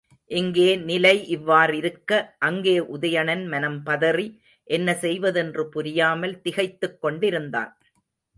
இங்கே நிலை இவ்வாறிருக்க அங்கே உதயணன் மனம் பதறி, என்ன செய்வதென்று புரியாமல் திகைத்துக் கொண்டிருந்தான்.